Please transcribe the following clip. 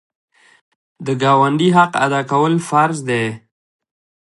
د ګاونډي حق ادا کول فرض دي.